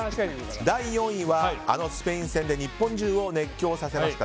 第４位はあのスペイン戦で日本中を熱狂させました